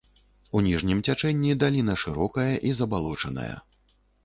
У ніжнім цячэнні даліна шырокая і забалочаная.